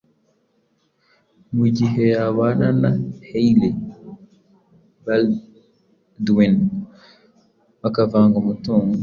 Mu gihe yabana na Hailey Baldwin bakavanga umutungo,